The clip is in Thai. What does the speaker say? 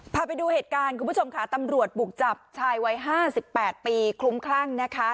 พาไปดูเหตุการณ์คุณผู้ชมค่ะตำรวจบุกจับชายวัย๕๘ปีคลุ้มคลั่งนะคะ